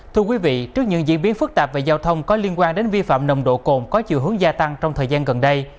thưa quý vị trước những diễn biến phức tạp về giao thông có liên quan đến vi phạm nồng độ cồn có chiều hướng gia tăng trong thời gian gần đây